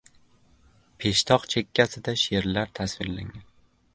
Peshtoq chekkasida sherlar tasvirlangan.